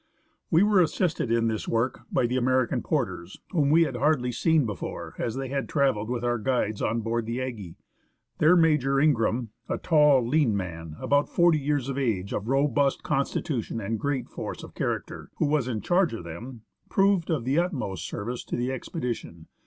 We were assisted in this work by the American porters, whom we had hardly seen before, as they had travelled with our guides on board the Aggie. Their Major Ingraham — a tall, lean man, about forty years of age, of robust constitution, and great force of character, who was in charge of them — proved of the utmost service to the ex pedition.